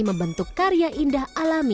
membentuk karya indah alami